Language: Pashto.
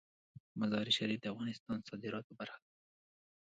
مزارشریف د افغانستان د صادراتو برخه ده.